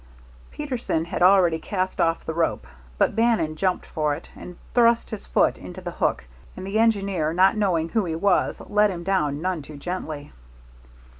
Peterson had already cast off the rope, but Bannon jumped for it and thrust his foot into the hook, and the engineer, not knowing who he was, let him down none too gently.